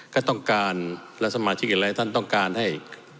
ก็ต้องการและสมาชิกหลายท่านต้องการให้